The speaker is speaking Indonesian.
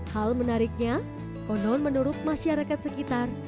hal menariknya konon menurut masyarakat sekitar